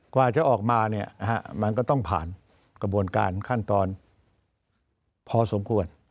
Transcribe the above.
กว่าจะออกมามันก็ต้องผ่านกระบวนการขั้นตอนพอสมควร